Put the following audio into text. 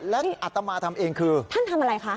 แล้วอัตมาทำเองคือท่านทำอะไรคะ